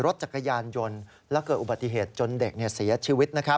รถจักรยานยนต์และเกิดอุบัติเหตุจนเด็กเสียชีวิต